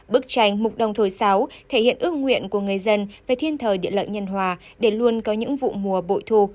bức tranh mục đồng thổi sáo thể hiện ước nguyện của người dân về thiên thời địa lợi nhân hòa để luôn có những vụ mùa bội thu